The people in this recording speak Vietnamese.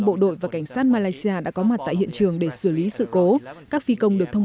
bộ đội và cảnh sát malaysia đã có mặt tại hiện trường để xử lý sự cố các phi công được thông